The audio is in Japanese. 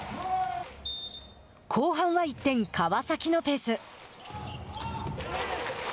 後半は一転、川崎のペース。